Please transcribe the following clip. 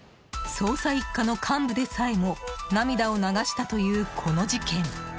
捜査１課の幹部でさえも涙を流したというこの事件。